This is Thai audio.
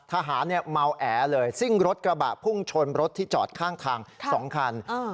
ทหารเมาแอเลยซิ่งรถกระบะพุ่งชนรถที่จอดข้างทาง๒คัน